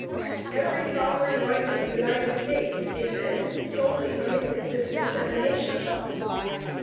Every sovereign right of the United States exists solely from its existence as a nation.